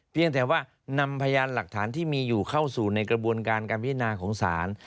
เพียงแต่ว่านำพยานหลักฐานที่มีอยู่เข้าสู่ในกระบวนการการพิจารณาของศาล